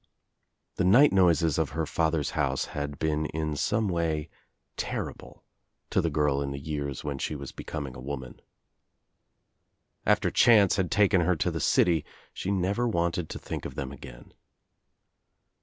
• The night noises of her father's house had been In •ome way terrible to the girl in the years when she was becoming a woman. After chance had taken her to the city she never wanted to think of them again.